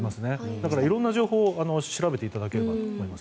だから色んな情報を調べていただければと思います。